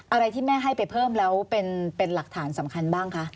อะไรที่แม่ให้ไปเพิ่มแล้วเป็นหลักฐานสำคัญบ้างคะ